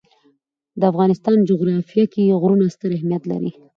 د افغانستان جغرافیه کې غرونه ستر اهمیت لري.